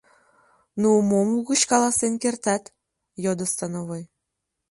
— Ну, мом угыч каласен кертат? — йодо становой.